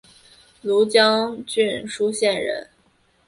庐江郡舒县人。